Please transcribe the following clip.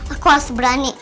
aku harus berani